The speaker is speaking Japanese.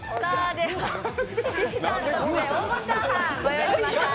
では金さん特製黄金チャーハンご用意しました。